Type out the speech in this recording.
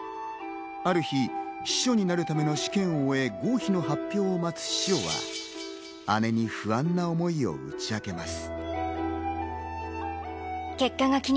ある日、司書になるための試験を終え、合否の発表を待つシオは、姉に不安な思いを打ち明けます。